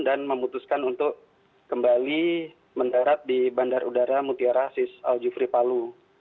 dan memutuskan untuk kembali mendarat di bandar udara mutiarasis aljufri palu